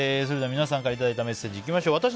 それでは皆さんからいただいたメッセージいきましょう。